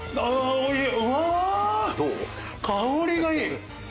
おいしい！